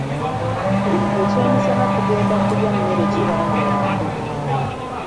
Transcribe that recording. Ekyemisana tugenda kulya mmere ki baana bange.